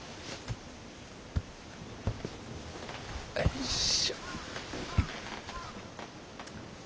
よいしょ。